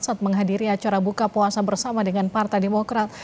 saat menghadiri acara buka puasa bersama dengan partai demokrat